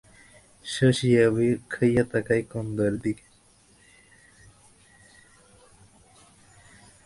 শশী অবাক হইয়া তাকায় কুন্দর দিকে।